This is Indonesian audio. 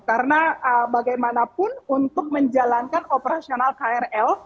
karena bagaimanapun untuk menjalankan operasional krl